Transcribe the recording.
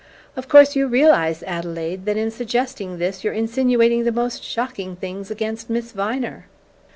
"Of course you realize, Adelaide, that in suggesting this you're insinuating the most shocking things against Miss Viner?"